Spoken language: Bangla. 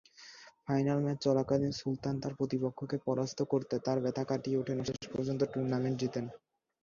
ফাইনাল ম্যাচ চলাকালীন, সুলতান তার প্রতিপক্ষকে পরাস্ত করতে তার ব্যথা কাটিয়ে উঠেন এবং শেষ পর্যন্ত টুর্নামেন্ট জিতেন।